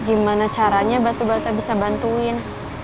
gimana caranya batu batu bisa bantuin